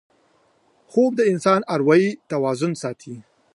خوب د انسان اروايي توازن ساتي